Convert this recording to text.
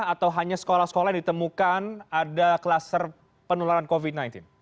atau hanya sekolah sekolah yang ditemukan ada kluster penularan covid sembilan belas